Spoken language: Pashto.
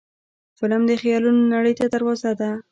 فلم د خیالونو نړۍ ته دروازه ده